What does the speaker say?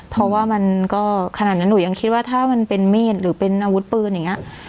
เพราะว่ามันก็ขนาดนั้นหนูยังคิดว่าถ้ามันเป็นมีดหรือเป็นอาวุธปืนอย่างนี้